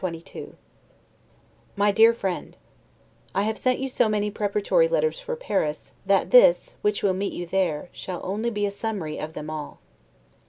LETTER CXXII MY DEAR FRIEND: I have sent you so many preparatory letters for Paris, that this, which will meet you there, shall only be a summary of them all.